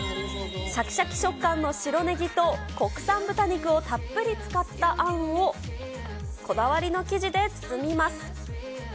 しゃきしゃき食感の白ネギと国産豚肉をたっぷり使ったあんを、こだわりの生地で包みます。